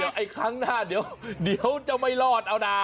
เดี๋ยวอีกครั้งหน้าเดี๋ยวจะไม่รอดเอานะ